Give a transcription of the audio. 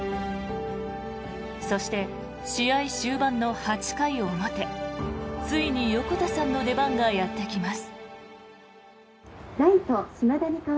そして、試合終盤の８回表ついに横田さんの出番がやってきます。